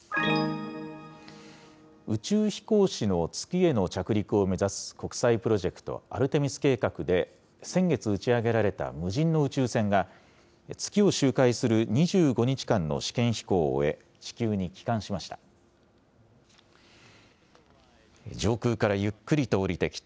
宇宙飛行士の月への着陸を目指す国際プロジェクト、アルテミス計画で先月打ち上げられた無人の宇宙船が、月を周回する２５日間の試験飛行を終え、地球に帰還しました。